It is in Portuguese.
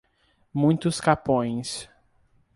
Muitos Capões